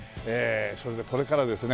それでこれからですね